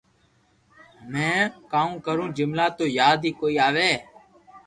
ھمو ڪاو ڪرو جملا تو ياد اي ڪوئي آوي